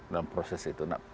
dalam proses itu